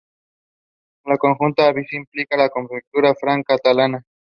La conjetura abc implica la conjetura de Fermat–Catalan.